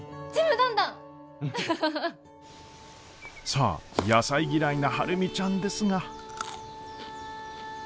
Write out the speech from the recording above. さあ野菜嫌いな晴海ちゃんですが。